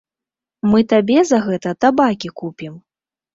Мы табе за гэта табакі купім.